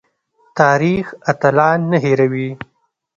تاریخ اتلان نه هیروي